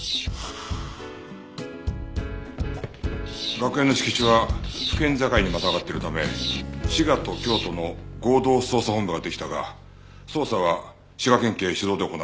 学園の敷地は府県境にまたがっているため滋賀と京都の合同捜査本部ができたが捜査は滋賀県警主導で行われた。